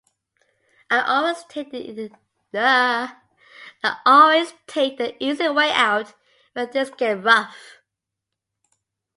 I always take the easy way out when things get rough.